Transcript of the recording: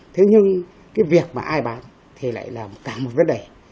thế nhưng cái việc mà ai bán thì lại làm cả một vấn đề